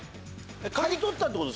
買い取ったってこと？